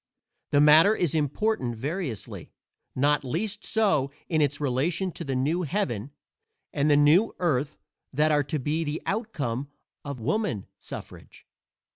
The matter is important variously; not least so in its relation to the new heaven and the new earth that are to be the outcome of woman suffrage.